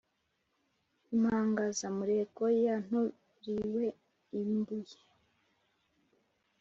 Impangazamurego yanturiwe i Mbuye